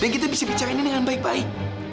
dan kita bisa bicara ini dengan baik baik